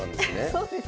そうですね。